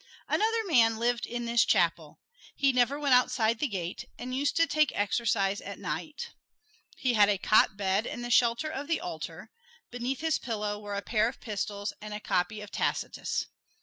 Another man lived in this chapel. He never went outside the gate and used to take exercise at night. He had a cot bed in the shelter of the altar; beneath his pillow were a pair of pistols and a copy of Tacitus.